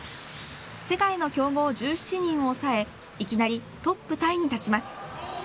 世界の強豪１７人を抑えいきなりトップタイに立ちます。